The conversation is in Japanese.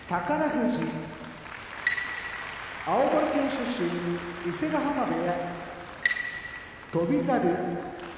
富士青森県出身伊勢ヶ濱部屋翔猿